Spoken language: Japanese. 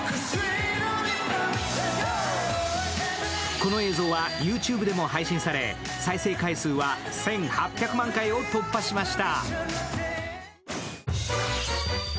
この映像はＹｏｕＴｕｂｅでも配信され再生回数は１８００万回を突破しました。